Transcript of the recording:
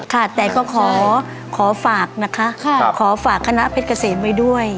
ค่ะแต่ก็ขอฝากนะคะขอฝากคณะเพชรเกษมไว้ด้วย